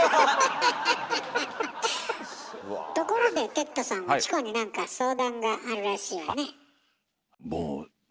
ところで哲太さんはチコに何か相談があるらしいわね。